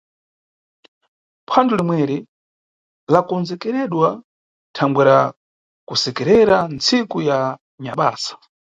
Phwando limweri lakondzekeredwa thangwera kusekerera ntsiku ya nyabasa.